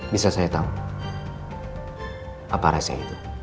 bisa saya tau apa rahasia itu